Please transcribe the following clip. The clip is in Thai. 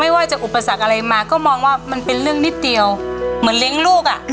ว่าจะอุปสรรคอะไรมาก็มองว่ามันเป็นเรื่องนิดเดียวเหมือนเลี้ยงลูกอ่ะ